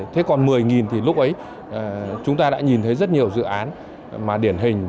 thế còn một mươi thì lúc ấy chúng ta đã nhìn thấy rất nhiều dự án mà điển hình